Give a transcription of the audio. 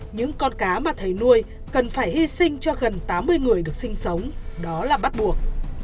những con cá mà thầy nuôi cần phải hy sinh cho gần tám mươi người được sinh sống đó là bắt buộc